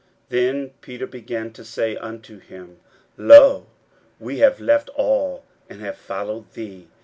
41:010:028 Then Peter began to say unto him, Lo, we have left all, and have followed thee.